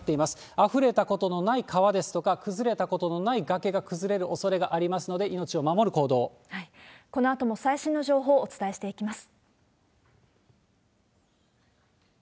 あふれたことのない川ですとか、崩れたことのない崖が崩れるおそれがありますので、このあとも最新の情報をお伝えしていきます。